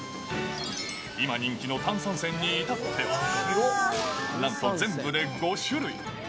今人気の炭酸泉にいたっては、なんと全部で５種類。